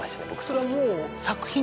それはもう。